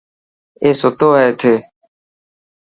اي ستو هي اٿي.